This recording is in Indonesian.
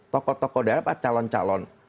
toko toko daerah pak calon calon